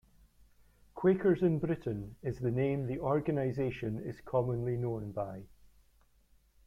Quakers in Britain is the name the organization is commonly known by.